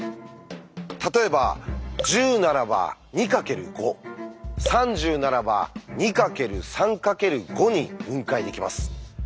例えば１０ならば２×５３０ならば２×３×５に分解できます。